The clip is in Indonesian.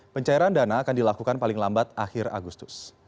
pencairan dana akan dilakukan paling lambat akhir agustus